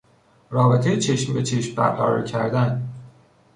رابطهی چشم به چشم برقرار کردن